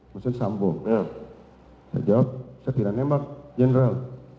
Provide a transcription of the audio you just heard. maksudnya sambo saya jawab saya tidak nembak general